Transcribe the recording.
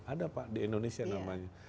ada pak di indonesia namanya